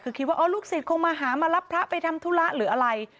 คือคิดว่าลูกศิษย์คงมาหามารับพระไปทำธุระหรืออะไร